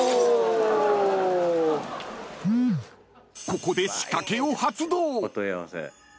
［ここで仕掛けを発動］